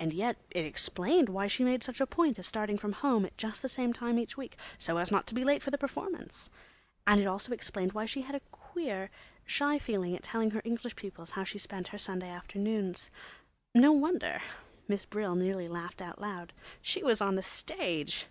And yet it explained why she made such a point of starting from home at just the same time each week—so as not to be late for the performance—and it also explained why she had quite a queer, shy feeling at telling her English pupils how she spent her Sunday afternoons. No wonder! Miss Brill nearly laughed out loud. She was on the stage.